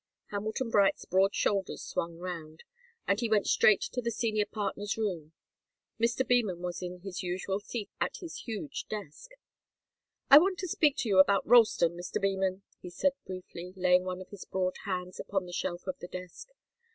Hamilton Bright's broad shoulders swung round, and he went straight to the senior partner's room. Mr. Beman was in his usual seat at his huge desk. "I want to speak to you about Ralston, Mr. Beman," he said, briefly, laying one of his broad hands upon the shelf of the desk.